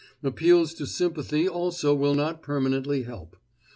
Appeals to sympathy also will not permanently help.